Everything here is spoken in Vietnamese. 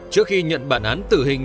trước khi nhận bản án tử hình